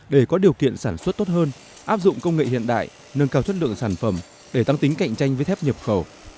để có điều kiện sản xuất tốt hơn áp dụng công nghệ hiện đại nâng cao chất lượng sản phẩm để tăng tính cạnh tranh với thép nhập khẩu